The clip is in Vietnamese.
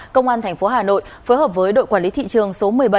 công an thành phố hà nội phối hợp với đội quản lý thị trường số một mươi bảy